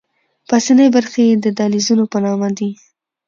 پاسنۍ برخې یې د دهلیزونو په نامه دي.